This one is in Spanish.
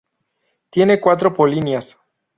Tiene cuatro polinias.